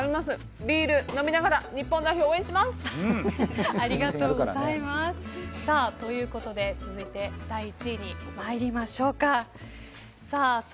ビール飲みながらありがとうございます。ということで、続いて第１位に参りましょうか。